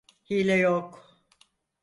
Hile yok.